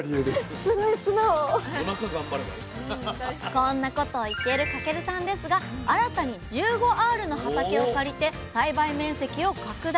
こんなことを言っている翔さんですが新たに１５アールの畑を借りて栽培面積を拡大。